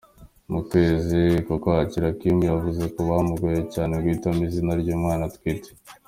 Mu kwezi k'Ukwakira, Kim yavuze ko bimugoye cyane guhitamo izina ry'umwana atwite.